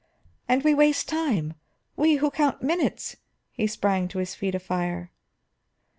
"And we waste time! We who count minutes," he sprang to his feet, afire.